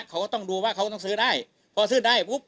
เขาก็ต้องดูว่าเขาต้องซื้อได้พอซื้อได้ปุ๊บ